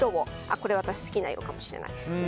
これ、好きな色かもしれない。